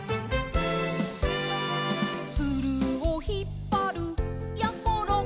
「ツルをひっぱるやころ」